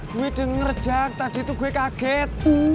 gua udah denger jack tadi itu gua kaget